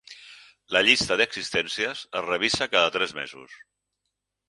La llista d'existències es revisa cada tres mesos.